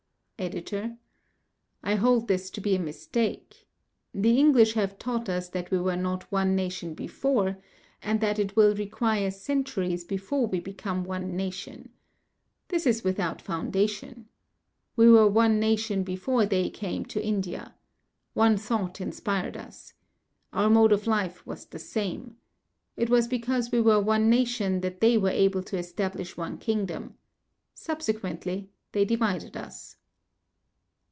EDITOR: I hold this to be a mistake. The English have taught us that we were not one nation before, and that it will require centuries before we become one nation. This is without foundation. We were one nation before they came to India. One thought inspired us. Our mode of life was the same. It was because we were one nation that they were able to establish one kingdom. Subsequently they divided us.